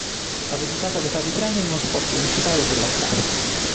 Ha debuttato all'età di tre anni in uno spot pubblicitario per la Kraft.